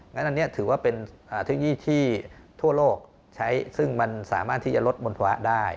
งั้นอันนี้ถือว่าเป็นเทคโนโลยีที่ทั่วโลกใช้ซึ่งมันสามารถที่จะลดมลภาวะได้